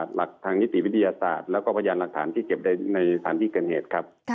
หลักทางนิติวิทยาศาสตร์แล้วก็พยานหลักฐานที่เก็บในสถานที่เกิดเหตุครับ